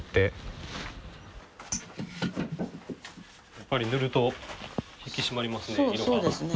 やっぱり塗ると引き締まりますね。